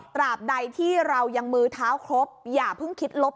บใดที่เรายังมือเท้าครบอย่าเพิ่งคิดลบ